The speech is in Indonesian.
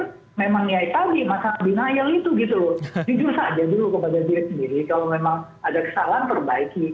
kalau memang ada kesalahan perbaiki